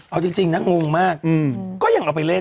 เอาจริงนะงงมากก็ยังเอาไปเล่น